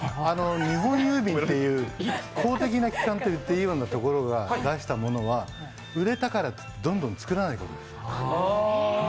日本郵便っていう公的な機関と言っていいようなところが出したものは売れたからといって、どんどん作らないじゃないですか。